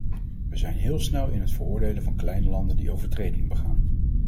Wij zijn heel snel in het veroordelen van kleine landen die overtredingen begaan.